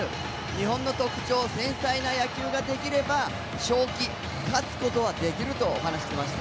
日本の特徴、繊細な野球ができれば勝機、勝つことはできると話していました。